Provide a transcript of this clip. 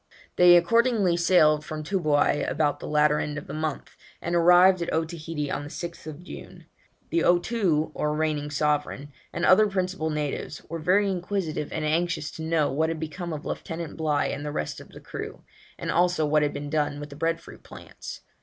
They accordingly sailed from Toobouai about the latter end of the month, and arrived at Otaheite on the 6th June. The Otoo, or reigning sovereign, and other principal natives, were very inquisitive and anxious to know what had become of Lieutenant Bligh and the rest of the crew, and also what had been done with the bread fruit plants?